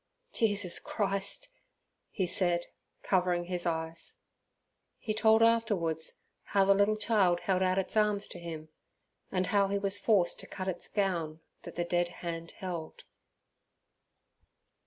"Jesus Christ!" he said, covering his eyes. He told afterwards how the little child held out its arms to him, and how he was forced to cut its gown that the dead hand held.